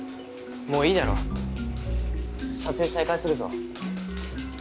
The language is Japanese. もういいだろ撮影再開するぞ。